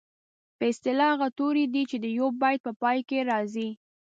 په اصطلاح هغه توري دي چې د یوه بیت په پای کې راځي.